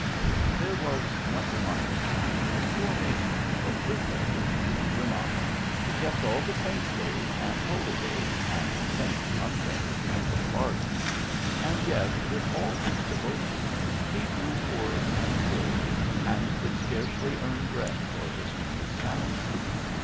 There was once upon a time a poor mason, or bricklayer in Granada, who kept all the saints days and holydays, and saint Monday into the bargain, and yet, with all his devotion, he grew poorer and poorer, and could scarcely earn bread for his numer ous family.